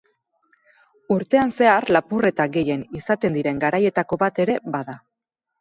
Urtean zehar lapurreta gehien izaten diren garaietako bat ere bada.